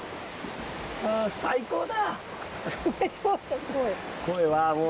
最高だ！